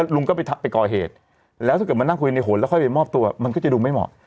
ลุงก็ไปก่อเหตุแล้วถ้าเกิดมานั่งคุยในหนแล้วค่อยไปมอบตัวมันก็จะดูไม่เหมาะ